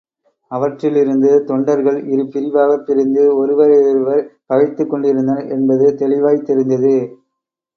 அவற்றிலிருந்து தொண்டர்கள் இரு பிரிவாகப் பிரிந்து ஒருவரையொருவர் பகைத்துக் கொண்டிருந்தனர் என்பது தெளிவாய்த் தெரிந்தது.